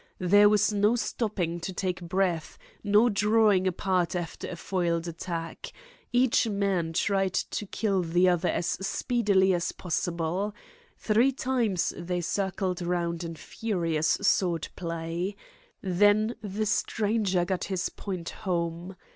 There was no stopping to take breath, nor drawing apart after a foiled attack. Each man tried to kill the other as speedily as possible. Three times they circled round in furious sword play. Then the stranger got his point home.